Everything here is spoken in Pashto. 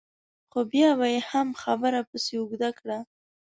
خو بیا به یې هم خبره پسې اوږده کړه.